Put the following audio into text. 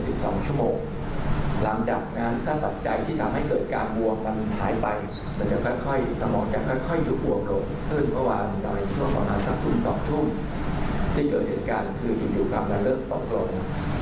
ทุ่มที่เกิดเหตุการณ์คืออินทริยุความละเลิกตกลง